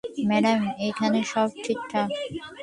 Madam, এইখানে সব ঠিকঠাক।